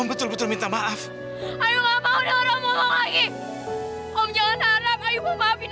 eh ada apa anak